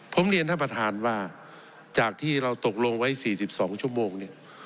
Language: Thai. ผมเรียนท่านประธานว่าจากที่เราตกลงไว้๔๒ชั่วโมงเนี่ย